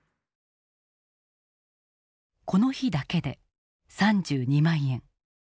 この日だけで３２万円。